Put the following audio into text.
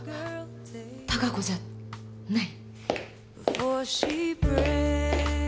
貴子じゃない。